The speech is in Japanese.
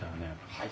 はい。